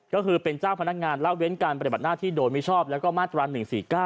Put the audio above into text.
ก็คือเป็นเจ้าพนักงานแล้วเว้นการประเด็นบันหน้าที่โดยมิชาพและมาตรกรณ์๑๔๙